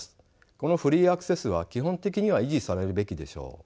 このフリーアクセスは基本的には維持されるべきでしょう。